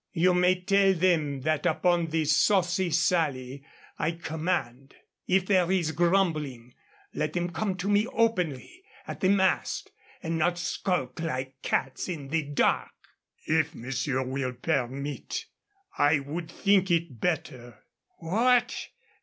You may tell them that upon the Saucy Sally I command. If there is grumbling, let them come to me openly at the mast and not skulk like cats in the dark." "If monsieur will permit, I would think it better " "What!